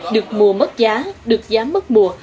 được mua mất giá được giá mất mua